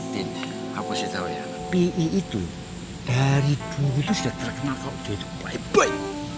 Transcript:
din aku sih tau ya pi itu dari dulu sudah terkenal kalau dia itu bye bye